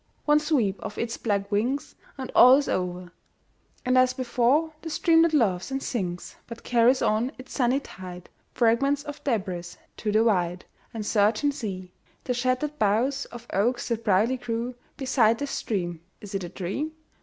One sweep of its black wings, And all is o'er! And as before The streamlet laughs and sings; But carries on its sunny tide Fragments of debris to the wide And surging sea, the shattered boughs Of oaks that proudly grew Beside the stream, is it a dream?